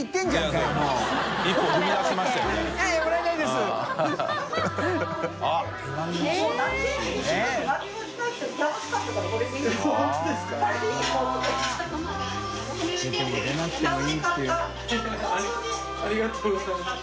兇い泙后ありがとうございます。